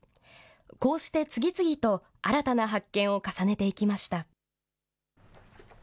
こうして次々と新たな発見を重ねていきました。